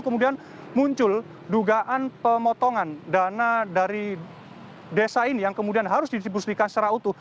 kemudian muncul dugaan pemotongan dana dari desa ini yang kemudian harus didibuskan secara utuh